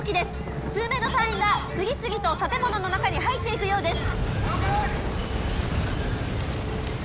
数名の隊員が次々と建物の中に入っていくようです。